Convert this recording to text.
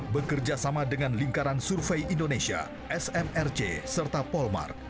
bekerja sama dengan lingkaran survei indonesia smrc serta polmar